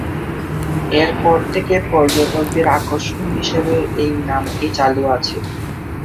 এর পর থেকে পর্যটকদের আকর্ষণ হিসাবে এই নামটি চালু আছে।